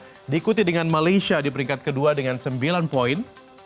dan diikuti dengan malaysia di peringkat kedua dengan sembilan poin